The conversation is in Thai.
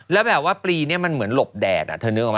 แล้วแบบว่าปรีเนี่ยมันเหมือนหลบแดดอะ